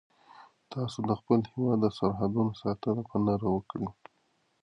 تاسو د خپل هیواد د سرحدونو ساتنه په نره وکړئ.